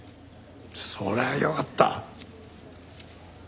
そりゃあよかった！